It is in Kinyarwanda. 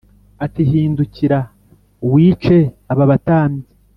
ati “Hindukira wice aba batambyi.”